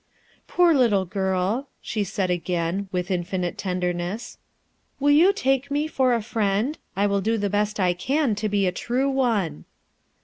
"Poor little girl 1" she said again, with in finite tenderness, "Will you take mc for a friend? I will do the best I can to be a true one."